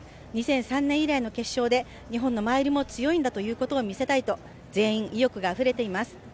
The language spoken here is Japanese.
２００３年以来の決勝で、日本のマイルも強いんだというところを見せたいと、全員、意欲があふれています。